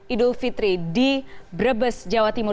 idul fitri di brebes jawa timur